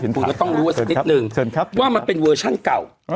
คุณก็ต้องรู้ว่านิดหนึ่งเชิญครับว่ามันเป็นเวอร์ชั่นเก่าอ๋อ